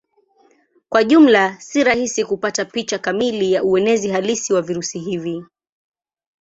Kwa jumla si rahisi kupata picha kamili ya uenezi halisi wa virusi hivi.